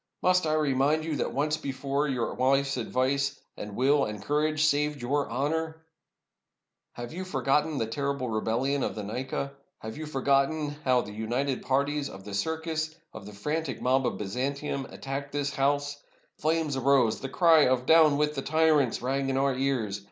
Must I remind you that once before your wife's advice, and will, and courage, saved your honor? S6i ROME Have you forgotten the terrible rebellion of the Nika? Have you forgotten how the united parties of the circus, of the frantic mob of Byzantium, attacked this house? The flames arose, and the cry of 'Down with the tyrants !' rang in our ears.